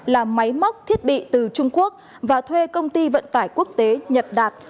là máy móc thiết bị từ trung quốc và thuê công ty vận tải quốc tế nhật đạt